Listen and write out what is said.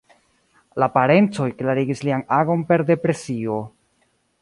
La parencoj klarigis lian agon per depresio.